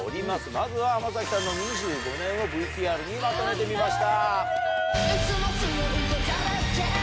まずは浜崎さんの２５年をＶＴＲにまとめてみました。